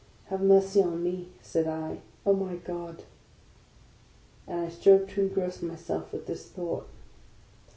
" Have mercy on me," said I. " O my God !" And I strove to engross myself with this thought.